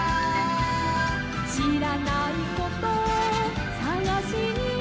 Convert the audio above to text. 「しらないことさがしに」